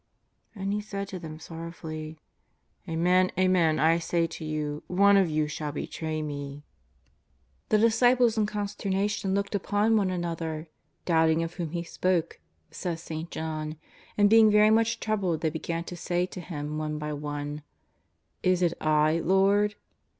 Then He said to them sorrowfully: "Amen, amen, I say to you, one of you shall betray Me." JESUS OF ISTAZAEETH. 329 The disciples in consternation looked upon one an other, " doubting of whom He spoke/' says St. John. And being very much troubled they began to say to Him one by one :" Is it I, Lord